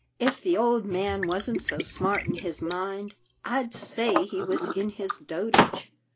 "If the old man wasn't so smart in his mind, I'd say he was in his dotage.